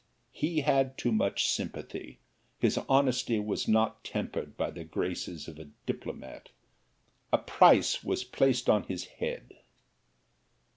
He had too much sympathy, his honesty was not tempered by the graces of a diplomat a price was placed upon his head.